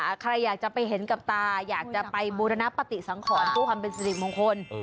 เออนะคะใครอยากจะไปเห็นกับตาอยากจะไปบุรณะปฏิสังขรรค์ผู้ความเป็นสิทธิมงคล